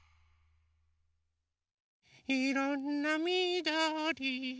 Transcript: いろんなみどり。